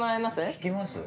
聞きます？